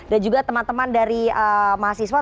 dan juga teman teman dari mahasiswa